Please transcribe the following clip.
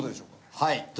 はい。